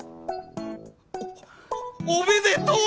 おおめでとう！